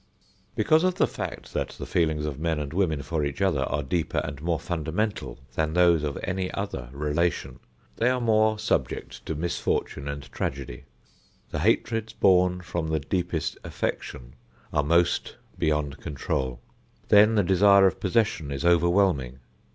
Because of the fact that the feelings of men and women for each other are deeper and more fundamental than those of any other relation, they are more subject to misfortune and tragedy. The hatreds born from the deepest affection are most beyond control. Then the desire of possession is overwhelming.